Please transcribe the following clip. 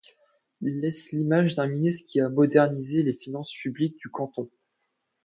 Il laisse l’image d’un ministre qui a modernisé les finances publiques du canton.